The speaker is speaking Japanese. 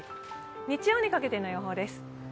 日曜にかけての予報です。